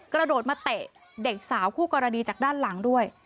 กระโดดมาเตะเด็กสาวคู่กรณีจากด้านหลังด้วย